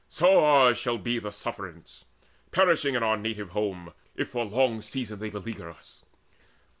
So ours shall be The sufferance, perishing in our native home, If for long season they beleaguer us.